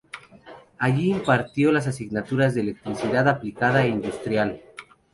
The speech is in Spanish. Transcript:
Allí impartió las asignaturas de Electricidad Aplicada e Industrial.